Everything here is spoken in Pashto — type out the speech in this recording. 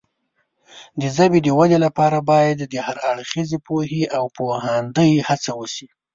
د ژبې د وده لپاره باید د هر اړخیزې پوهې او پوهاندۍ هڅه وشي.